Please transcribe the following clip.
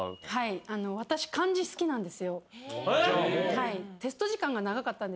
私漢字好きなんですよ。